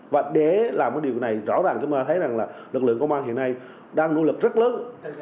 và để làm cái điều này rõ ràng chúng ta thấy rằng là lực lượng công an hiện nay đang nỗ lực rất lớn